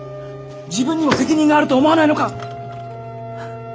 自分にも責任があると思わないのか。